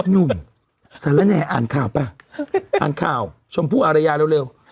นู้นสละแหน่อ่านข้าวป้ะอ่านข้าวชมภูอารยาเร็วเร็ว